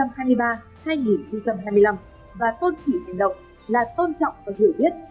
nhiệm kỳ hai nghìn hai mươi ba hai nghìn hai mươi năm và tôn trị hành động là tôn trọng và hiểu biết